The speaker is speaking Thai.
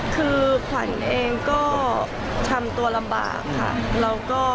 คือขวัญเองก็ทำตัวลำบากค่ะ